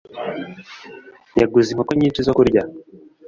Yaguze inkoko nyinshi zo kurya